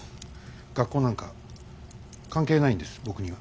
学校なんか関係ないんです僕には。